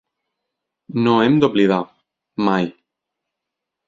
No hem d’oblidar, mai.